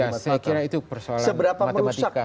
ya saya kira itu persoalan matematika